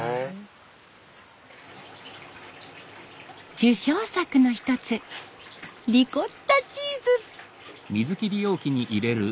受賞作の一つリコッタチーズ。